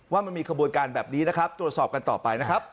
ว่ามันมีขบวนการแบบนี้นะครับตรวจสอบกันต่อไปนะครับ